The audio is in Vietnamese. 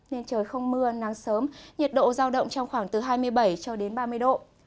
nên trời không mưa nắng sớm nhiệt độ giao động trong khoảng từ hai mươi bảy cho đến ba mươi độ